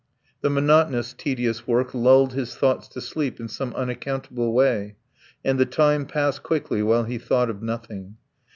The monotonous, tedious work lulled his thoughts to sleep in some unaccountable way, and the time passed quickly while he thought of nothing.